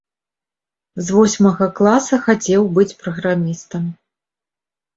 З восьмага класа хацеў быць праграмістам.